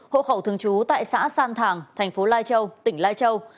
hộ khẩu thường trú tại xã san thàng thành phố lai châu tỉnh lai châu